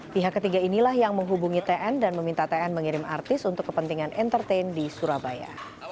pihak ketiga inilah yang menghubungi tn dan meminta tn mengirim artis untuk kepentingan entertain di surabaya